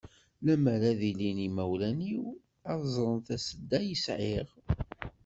Lemmer ad ilin yimawlan-iw, ad ẓren tasedda i yesɛiɣ.